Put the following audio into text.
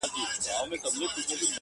دا رومانتيك احساس دي خوږ دی گراني.